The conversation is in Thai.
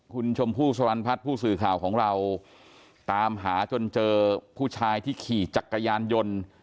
คุณชมพู่สรรพัฒน์ผู้สื่อข่าวของเราตามหาจนเจอผู้ชายที่ขี่จักรยานยนต์